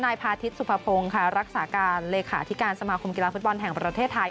พาทิศสุภพงศ์ค่ะรักษาการเลขาธิการสมาคมกีฬาฟุตบอลแห่งประเทศไทย